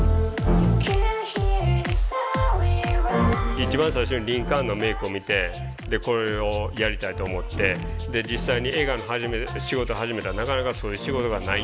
一番最初にリンカーンのメイクを見てこれをやりたいと思ってで実際に映画の仕事始めたらなかなかそういう仕事がない。